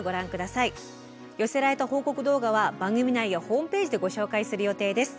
寄せられた報告動画は番組内やホームページでご紹介する予定です。